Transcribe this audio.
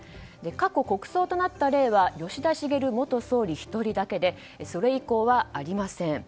過去、国葬となった例は吉田茂元総理１人だけでそれ以降はありません。